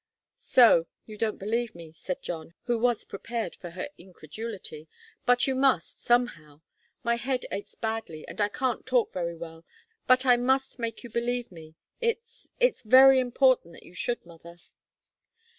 "So you don't believe me," said John, who was prepared for her incredulity. "But you must somehow. My head aches badly, and I can't talk very well, but I must make you believe me. It's it's very important that you should, mother."